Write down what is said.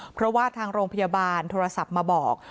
เพราะว่าทางโรงพยาบาลโทรศัพท์มาบอก